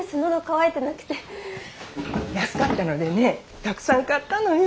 安かったのでねたくさん買ったのよ。